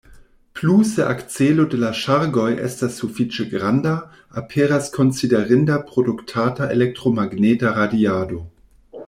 Plu, se akcelo de la ŝargoj estas sufiĉe granda, aperas konsiderinda produktata elektromagneta radiado.